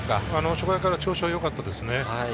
初回から調子がよかったです。